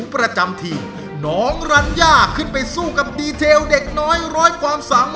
พี่แอเคยอืดแตกตอนเด็กมั้ย